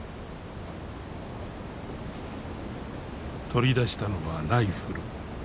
取り出したのはライフル。